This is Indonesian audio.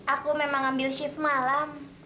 aku memang ngambil shift malam